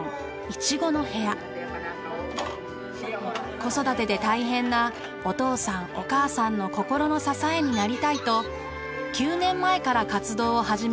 子育てで大変なお父さんお母さんの心の支えになりたいと９年前から活動を始めました。